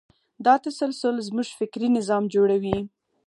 دا تسلسل زموږ فکري نظام جوړوي.